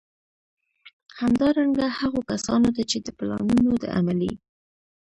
همدارنګه، هغو کسانو ته چي د پلانونو د عملي